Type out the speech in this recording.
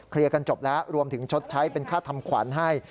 กันจบแล้วรวมถึงชดใช้เป็นค่าทำขวัญให้